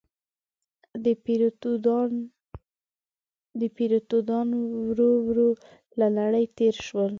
دیپروتودونان ورو ورو له نړۍ تېر شول.